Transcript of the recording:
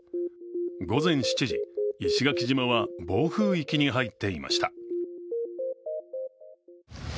午前７時、石垣島は暴風域に入っていました。